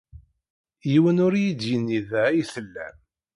Yiwen ur iyi-d-yenni da ay tellam.